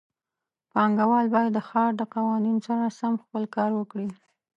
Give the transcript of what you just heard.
پانګهوال باید د ښار د قوانینو سره سم خپل کار وکړي.